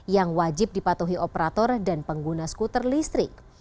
yang wajib dipatuhi operator dan pengguna skuter listrik